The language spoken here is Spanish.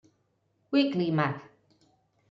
Weekly Mag.